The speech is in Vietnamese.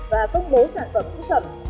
và công bố sản phẩm nữ phẩm